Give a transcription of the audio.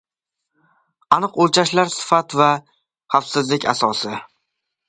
Aniq o‘lchashlar sifat va xafvsizlik asosi